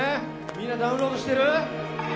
みんなダウンロードしてる？